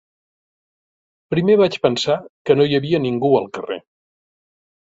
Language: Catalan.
Primer vaig pensar que no hi havia ningú al carrer.